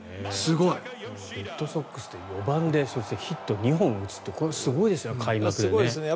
レッドソックスで４番でヒットを２本打つってこれすごいですよね、開幕でね。